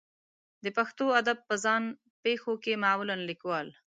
د پښتو ادب په ځان پېښو کې معمولا لیکوال